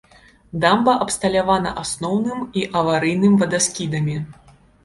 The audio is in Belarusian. Дамба абсталявана асноўным і аварыйным вадаскідамі.